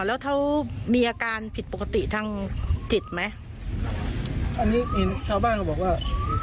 แล้วเขามีอาการผิดปกติทางจิตไหมอันนี้ชาวบ้านก็บอกว่า